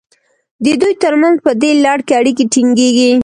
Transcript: د دوی ترمنځ په دې لړ کې اړیکې ټینګیږي.